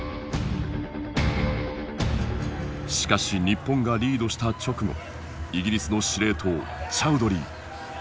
しかし日本がリードした直後イギリスの司令塔チャウドリー。